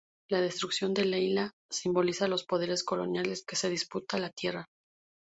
La destrucción de Leila simboliza los poderes coloniales que se disputan la tierra.